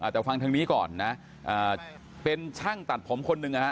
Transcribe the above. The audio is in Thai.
แต่ฟังทางนี้ก่อนนะเป็นช่างตัดผมคนหนึ่งนะฮะ